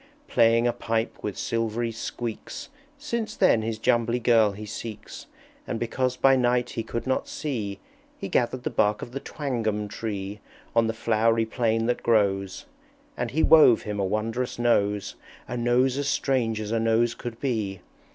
Playing a pipe with silvery squeaks, Since then his Jumbly Girl he seeks; And because by night he could not see, He gathered the bark of the Twangum Tree On the flowery plain that grows. And he wove him a wondrous Nose, A Nose as strange as a Nose could be!